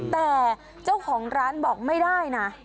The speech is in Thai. แต่เจ้าของร้านบอกไม่ได้นะ